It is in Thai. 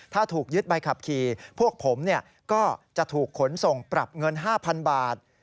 ถ้าถูกยึดใบขับขี่พวกผมก็จะถูกขนส่งปรับเงิน๕๐๐๐บาท